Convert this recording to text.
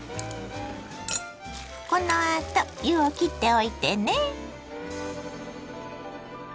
このあと湯をきっておいてね。